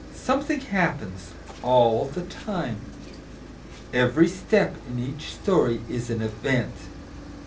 Something happens, all the time. Every step in each story is an event.